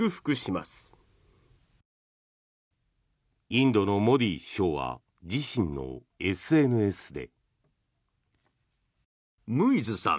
インドのモディ首相は自身のＳＮＳで。